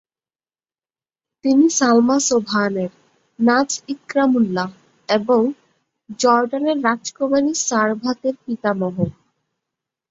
তিনি সালমা সোবহানের, নাজ ইকরামুল্লাহ এবং জর্ডানের রাজকুমারী সারভাথ এর পিতামহ।